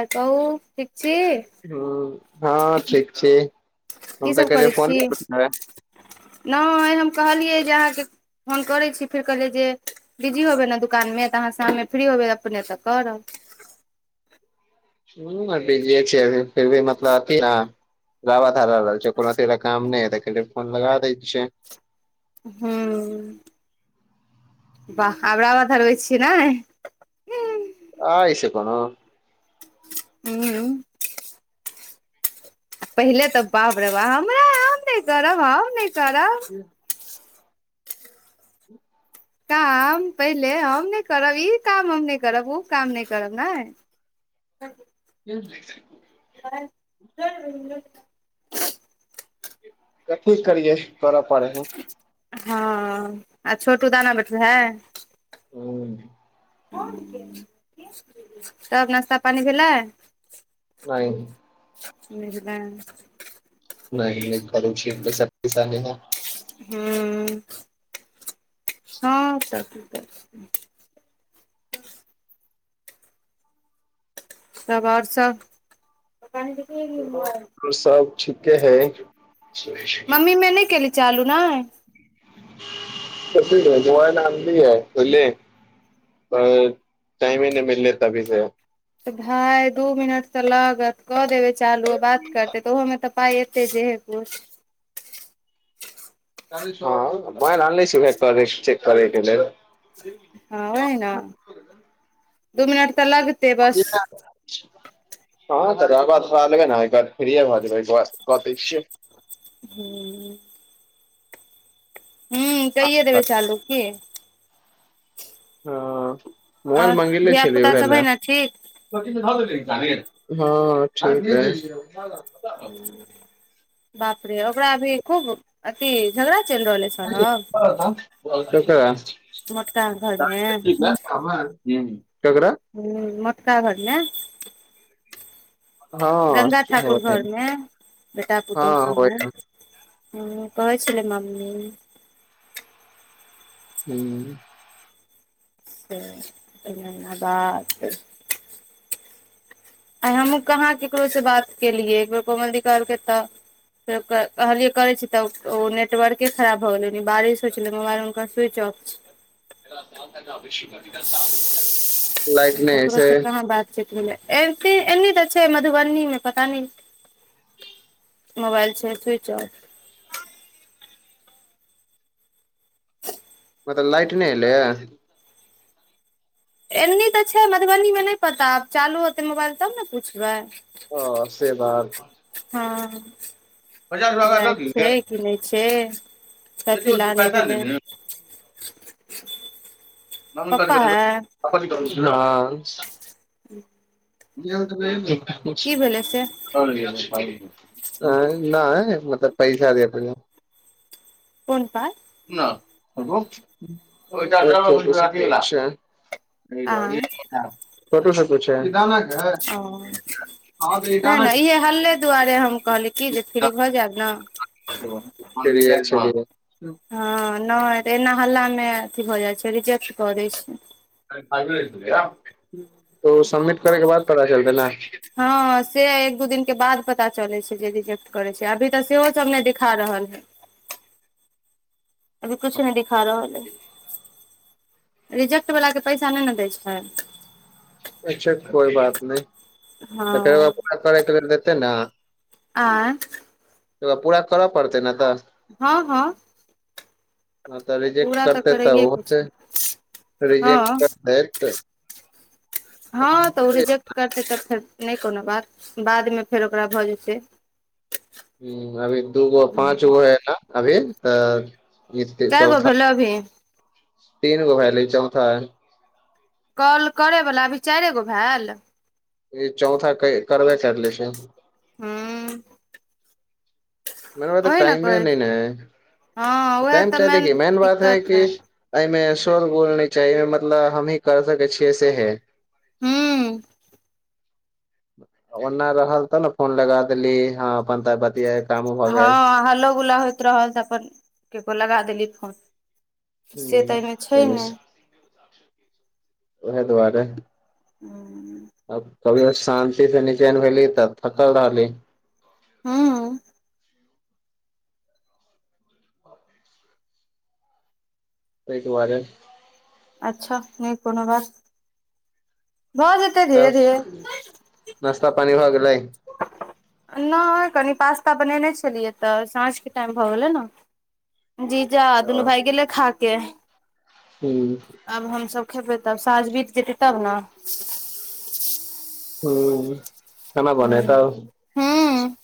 आ कहू, ठीक छी? हु, हँ ठीक छी, हम तऽ कीसभ कने करै छी फोनो कर नहि हम कहलियै जे अहाँके फोन करैत छी, फेर कहलियै जे? बिजी होबै ने दुकानमे, तऽ अहाँ शाममे फ्री होबै अपने तऽ करब। ह बीज छिय फिर भी मतलब [unintelligible] गावा धार रहल छै, कोनो अथी काम नहि हे, फोन लगा दै छियै। हू, ब हमबड़ा बथा रै छिय नहि [unintelligible] आई से कोनो। हू। पहिले तऽ बाप रे बा, हमरा हम नहि करब, आ नहि करब। हूँ। काम पहिले हम नहि करब, ई काम हम नहि करब, ओ काम नहि करब नै। ह। ह [inaudible] ब [unintelligible] कथी करिये, करऽ पड़े हइ। हँ, आ छोटू दाना बैठू है हू। त नाश्ता- पानि भेलै? नहि। न्यूजलैंड। नहि -नहि कररो छीशक्ति सामने मे हँ। हुँ, हँ त करते। तब और सब? तहन केकरो लग हमरो सब ठीके हय। मम्मी मे नहि केलही चालू नै। कथि भेल, मोबाइल आन लियै पहिले। टाइमे नहि मिललै तभी से। तऽ भाय दू मिनट तऽ लागत, कऽ देबै चालू बात करतै तऽ ओहोमे तऽ। पाय एतै जेहे कुछ। हँ मोबाइल आनले छी उहे करै चेक करैके लेल। [unintelligible] हँ, ओहि ने, दू मिनट तऽ लग [inaudible] हँ, तऽ लेै ने फ्री भऽ जेबै क छिय [unintelligible] हूँ। [unintelligible] हूँ कैये देबै चालू की। हुँ, आओर मोबाइल मंगेले धिया छलियै पुता उहेए सब है लेए। ने ठीक [unintelligible] हँ ठीक अछि। [unintelligible] बापरे ओकरा अभी खूब अथि झगड़ा चलि रहल है। सौरभ ककरा। मोटका घरमे ह [unintelligible] [unintelligible] ककरा हूँ मोटका घर नै। हँ गंगा ठाकुर घरमे बेटा पुतोहु हँ होइ सबमे। हय। हूँ हूँ कहै छलै मम्मी। हूँ। से एना एना बात। आय हमहुँ कहाँ केकरो से बात केलियै एकबेर कोमल दी कहलकै तऽ फेर ओकरा कहलियए करै छी तऽ ओ नेट नेटवर्के खराब भऽ गेलै ओइदिन बारिश होइ छलै मोबाइल हुनकर स्विच ऑफ छै। [unintelligible] लाइट नहि अइ ककरो से कहाँ बातचीत भेलै एबते एनी तऽ छै मधुबनी मे पता नै। [inaudible] मोबाइल छै स्विच ऑफ। मतलब लाइट नहि एलैए। एनी तऽ छै मधुबनी मे नहि पता आब चालू होतै मोबाइल तब न पुछबै। ओ से बात। हँ पचास लाइट रुपया छै कि नहि छै। ओकरा दऽ दियौ बेटी कथि बेटी लेऽ नहि पैसा ले भेलै। लियौ पप्पा है [unintelligible] हॅं। हूँ। [unintelligible] [unintelligible] भेलै से आँय नहि मतलब पैसा दिया कहलियै। कोन पाय? [unintelligible] आ [unintelligible] छोटू सबके छै। किए आनय के ऐ? ओ। उहे न इहे हल्ले दुआरे हम कहलीयै कि जे फ्री भऽ जायब न। [unintelligible] डिरीयाय छै पुरा। हँ नहि तऽ एना हल्ला मे अथी भऽ जाइ छै रिजेक्ट कऽ दै छै। [unintelligible] तऽ ओ सबमिट करैके बाद पता चलतै ने। हँ से एक दू दिन के बाद पता चले छै जे रिजेक्ट करे छै अभी तऽ सेहो सब नहि दिखा रहल है। अभी कुछु नहि दिखा रहल है रिजेक्ट वला के पैसा नहि ने दै छै। अच्छा कोइ बात नहि तकर बाद फेर हँ पूरा करैके बेर देते ने। आँय। तकर बाद पूरा करऽ पड़तै न तऽ। हँ हँ। हँ तऽ रिजेक्ट पूरा करतैं तऽ करैये ओहो के छै रिजेेक्ट हँ करतैय। हँ तऽ ऊ रिजेक्ट करतै तऽ फेर नहि कोनो बात बादमे फेर ओकरा भऽ जेतै। हुं अभी दूगो पाँच गो है न अभी त ई ती कए गो चौथा भेलै अभी तीन गो भैलये ई चौथा अइ। कॉल करैवाला अभी चाइरे गो भैल। ई चौथा के करबे करले छै। हूँ मेन बात है ओही टाइमे कहै नहि ने छी हँ है उएह टाइम तऽ चाहि देखी मेन बात है दिक्कत कि एहिमे शोर गुल नै चाही एहिमे मतलब हमही कर सकै छियै सेहे। हूँ। आ ओना रहल तऽ ने फोन लगा देली हाॅं अपन तऽ बतियाइत। हँऽ हल्लो गुल्ला होइत रहल तऽ अपन ककरो लगा देलीयैं फोन। से तऽ ऐमे छैं नैय। [unintelligible] ओहे दुआारे। हूं। अब कभियो शान्ति से निचेन भेली तऽ थकल रहली। हूं। तैय दुआरे। अच्छा नैय कोनो बात। भऽ जेतै धीरे धीरे तब नास्ता पानी भऽ गेलैं। [unintelligible] नैय कनि पास्ता बनेने छलियै तऽ साँझके टाइम भऽ गेलै न। जीजा आ दुनू भाइ गेलै खा के। हूँ। आब हमसभ खेबैय तब आब साॅंझ बीत जेतै तब ना। हूं खाना बनेतौव। हूँ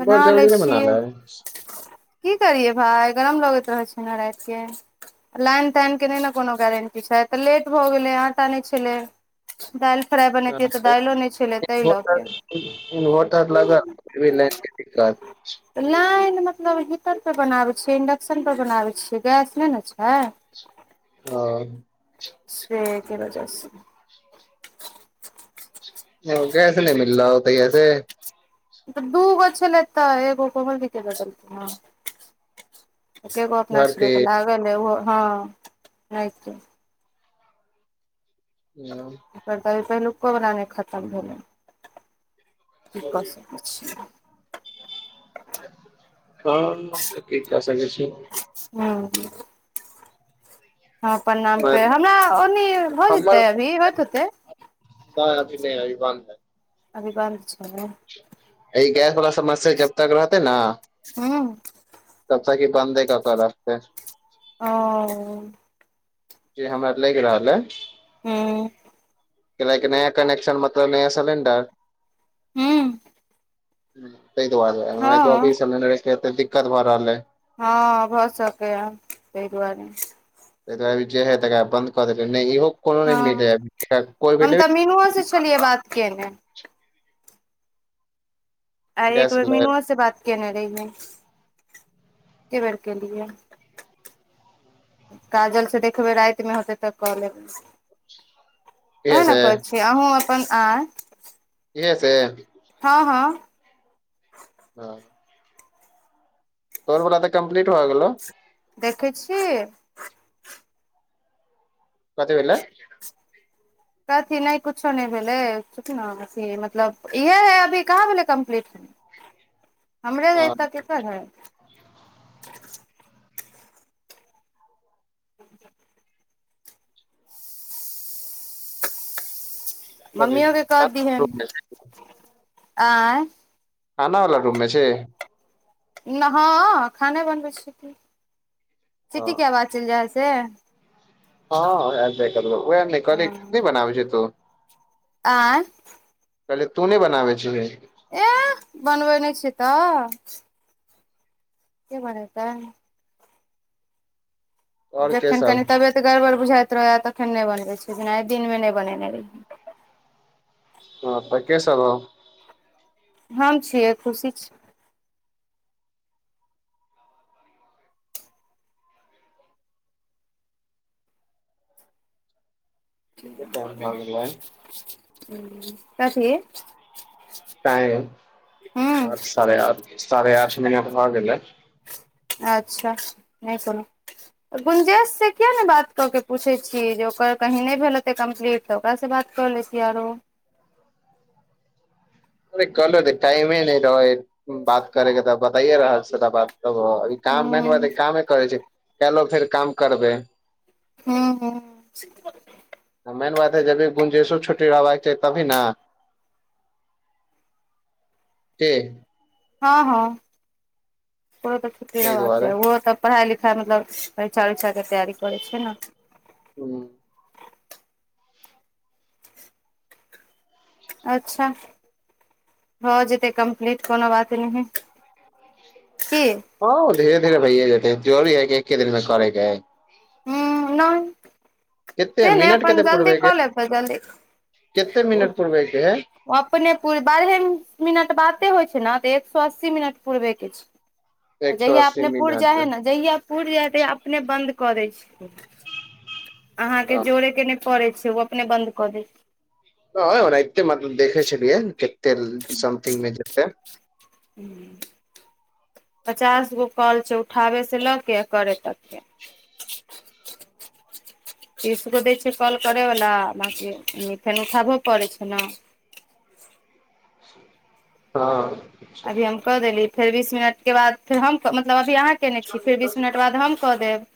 बना बहुत जल्दी लैय ने बना छियै। ले की करियै भाय गरम लगैत रहै छैय ने रातिके। लाइन ताइन के नहि ने कोनो गारंटी छै तऽ लेट भऽ गेलै आटा नहि छलै। दालि फ्राइ बनेतीयै तऽ दाइलो नैय छलैय। मोटर इन्वोटर लगल फिर भी लाइन‌ के दिक्कत। लाइन मतलब हीटर पर बनाबैय छियै इंडक्शन पर बनाबैय छियै गैस नैय ने छै। ओ से के वजहस। [inaudible] कियै ऊ गैस नहि मिललौ तहिया से? दूगो छेलै त एगो कोमल दीदी के दऽ देलकैय ना। एकेगो अपना भरती छलैय तऽ लागल है ओहो हाॅं राति के। [unintelligible] ओकर तऽ अभी पहिलुको वाला नहि खत्म भेलै की कऽ सकै। छै हॅं त की क सकय छी। हूँ हम अपने नाम पे हमरा ओनी भऽ जेतै अभी होइत होतैय। कहाॅं अभी नहि अभी बंद है। अभी बंद छै। आ ई गैस वाला समस्या जब तक रहतै न हूं। तबतक ई बन्दे कऽ कऽ रखतैय। ओ जे हमरा लैग रहल ए हूँ। खेनायके नया कनेक्शन मतलब नया सिलेंडर। हूँ। तैय दुआरे। हँ हमरा तऽ अभी सेलेन्डरके एतऽ दिक्कत भए रहल अइ हँ भऽ सकैये तय दुआरे। तैय दुआरे जे है तकरा बंन्द कऽ देलियै नैय इहो कोनो नैय मिलै है, एकरा कोय भी [unintelligible] लियए बात केनेे। आ एक गैस बेर सिलेंडर मीनुओ से बात केने रहियै, एकेबेर केलियै। काजल से देखबै रैतमे हेतै तऽ कऽ लेब। ओएह इहे ने से कहै छी अहूँ अपन आँय इये से। हँ- हँ। [unintelligible] तोहर बला तऽ कम्पलीट भ गेलो। देखै छी। कथि भेलै। कथी नैय कुछो नैय भेलै [unintelligible] इहे है अभी काहाँ भेलै कम्पलीट। हमरे हँ हेएतऽ केकर हैय। [inaudible] कथी मम्मियो के कह दीहैन आंय। खाना वाला रूममे छी। हँ खाने बनबै छी की, हँ सिटी के आवाज चैल जायए से। हँ एैब जाय छैय कखनौ क वएह नै कहली नैय बनाबै छीहिन तु। आंय। कहले तू नैय बनाबै छिहिन। एह बनबै नैय छियै तऽ। के बनेतै। आओर के जखन कनि सब तबियत गड़बड़ बुझाइत रहैयै तखन नैय बनबै छियै जेना दिनमे नैय बनेने रहियै। हँ त केसब हौ। हम छियै खुशी छैय। कते टाइम भऽ गेलै कथी। टाइम हूँ आठ साढ़े आठ, साढ़े आठ मिनट भ गेलै। अच्छा नैय कोनो। गुंजेश से किया ने बात क के पूछे छियै जे ओकर कहीं नैय भेल हेतेै कम्प्लीट। तऽ ओकरास बात कऽ लैतियै आरो। अरे क लेबै टाइमे नैय रहै बात करेके तऽ बताइये रहल छियो बात। हँ काम मेन बात हूँ हैय कामे करै छियै कैल्हो फेर काम करबै। हूँ-हूँ। मेन बात है जभी गुंजेशो छुट्टी रहबाक चाही तभी ने। की? हँ -हँ ओकरो तऽ छुट्टी ताहि रहबाक दुआरे चाही उहो त पढ़ाइ लिखाइ मतलब परिक्षा उरिक्षा के तैयारी करै छैय न। हूँ। अच्छा भ जेतै कम्प्लीट कोनो बात नैय हैय। की हँ ऊ धीरे -धीरे भए जेतै जरूरी है कि एके दिन मे करेै के है। हूँ नहि। केते से ने मिनट अपन केते जल्दी पूरबै के कऽ लेबै जल्दी केते मिनट पूरबै के है? अपने पूरि बारहे मिनट बाते होइ छै ने तऽ एक सए अस्सी मिनट पूरबे के छै। [inaudible] एक सए जहिया अस्सी अपने पुरि मिनट जाइ हइ ने जहिया पुरि जाइ हइ तहिया अपने बन्द कऽ दै छै। अहाँके जोड़े के नहि पड़ै छै, ओ अपने बन्द कऽ दे छै। हं ओनाहिते मतलब देखे छलियै केते समथिंग मे जेते। हूं। पचास गो कॉल छै उठाबै से लऽ के आ करे तकके। तीसगो दै छै कॉल करेवला बाँकी फेन उठाबहो पड़ै छै न। हँ। अभी हम कऽ देली फेर बीस मिनटके बाद फेर हम क मतलब अभी अहाँ केने छी फेर बीस मिनट बाद हम कऽ देब।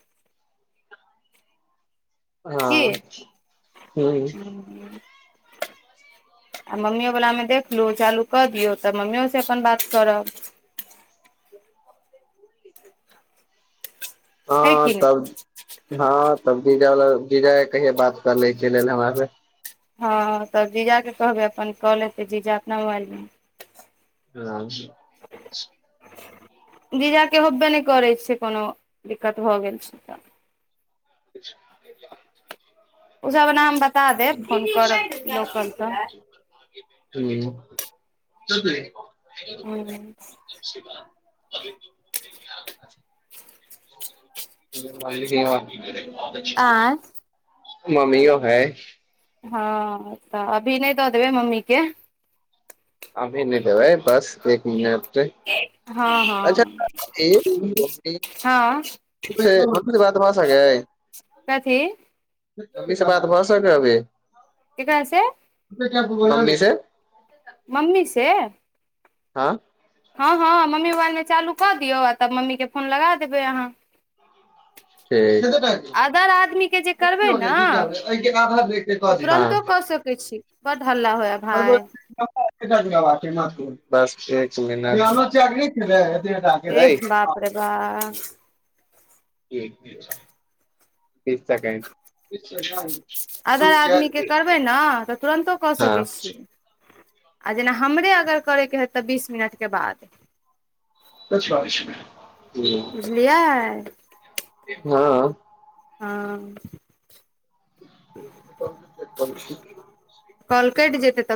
हँ हूं। हं। आ मम्मीयो वला मे देखलू चालू कऽ दियौ तऽ मम्मियो से अपन बात करब। है हँ कि नहि तब हँ तब जीजा वला जीजा के कहिये बात करलैके लेल हमरा से। हँ तब जीजा के कहबै अपन कऽ लेतै जीजा अपना मोबाइल मे। हं। जीजा के होबबे नहि करै छै, कोनो दिक्कत भऽ गेल छै तऽ। [unintelligible] ओसभ ओना हम बता देब फोन करब लोकल त। हूं [unintelligible] हूँ। सबसे बात अभी [unintelligible] [unintelligible] आँय [unintelligible] मम्मीयो है। हँ तऽ अभी नहि दऽ देबै मम्मीे के। अभी नहि देबै बस एक मिनट हँ अच्छा हँ हँ। [unintelligible] मम्मी से बात भऽ सकैय। कथी। मम्मी से बात भ सकै अभी? केकरा से? [unintelligible] मम्मी से। मम्मी से। हँ। हँ हँ मम्मी मोबाइल में चालू कऽ दियौ आ तब मम्मीके फोन लगा देबै अहाँ। ठीक अदर आदमी के जे करबै ने तऽ तुरन्तो कऽ सकै छी। बड्ड हल्ला होए। [unintelligible] बस एक मिनट [unintelligible] [unintelligible] अइ। अरे बा तीस सेकंड, तीस सेकेंड। अदर आदमीके करबै ने तऽ तुरन्तो कऽ सकै हँ छि। आ जेना हमरे अगर करयके हैत तऽ बीस मिनटके बाद। सच बात छै ने। बुझलियै। हँ। हँ। [inaudible] कॉल कैट जेत तब